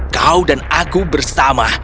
kau dan aku bersama